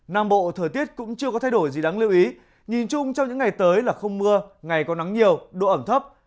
nam bộ thời tiết cũng chưa có thay đổi gì đáng lưu ý nhìn chung trong những ngày tới là không mưa ngày có nắng nhiều độ ẩm thấp